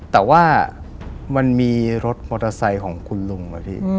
แต่ว่ามันมีรถมอเตอร์ไซค์ของคุณลุงอะพี่